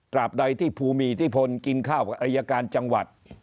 บใดที่ผู้มีอิทธิพลกินข้าวกับอายการจังหวัด